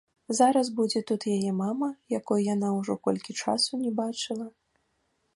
Зараз будзе тут яе мама, якой яна ўжо колькі часу не бачыла.